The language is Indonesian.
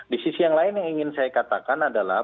di sisi yang lain yang ingin saya katakan adalah